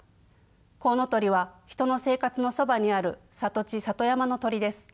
コウノトリは人の生活のそばにある里地里山の鳥です。